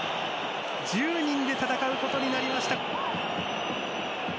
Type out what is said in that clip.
１０人で戦うことになりました。